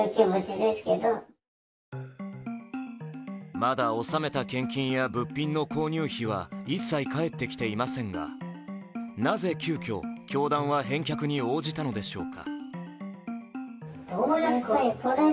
まだ納めた献金や物品の購入費は一切返ってきていませんがなぜ急きょ、教団は返却に応じたのでしょうか。